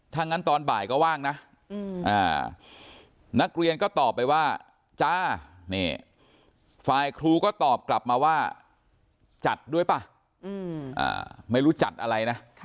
ถ้างั้นตอนบ่ายก็ว่างนะนักเรียนก็ตอบไปว่าจ้านี่ฝ่ายครูก็ตอบกลับมาว่าจัดด้วยป่ะไม่รู้จัดอะไรนะ